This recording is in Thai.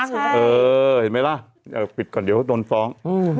เฉยเออเห็นมั้ยล่ะก่อนเดียวแบบโดนฟ้อง